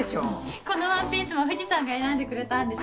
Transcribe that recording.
このワンピースも藤さんが選んでくれたんです。